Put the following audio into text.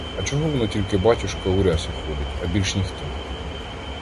А чого воно тільки батюшка у рясі ходить, а більш ніхто?